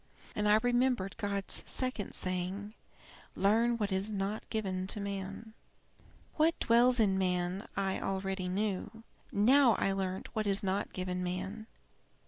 And I remembered God's second saying, 'Learn what is not given to man.' "What dwells in man I already knew. Now I learnt what is not given him.